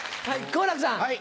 はい。